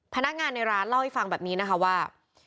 พนักงานในร้านเล่าให้ฟังแบบนี้นะคะว่า